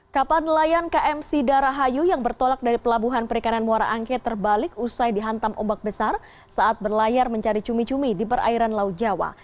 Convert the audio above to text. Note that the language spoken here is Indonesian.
kapal nelayan km sidarahayu yang bertolak dari pelabuhan perikanan muara angke terbalik usai dihantam ombak besar saat berlayar mencari cumi cumi di perairan laut jawa